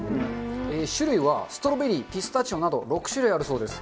種類はストロベリー、ピスタチオなど６種類あるそうです。